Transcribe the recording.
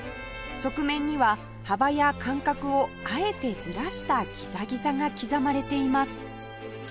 側面には幅や間隔をあえてずらしたギザギザが刻まれています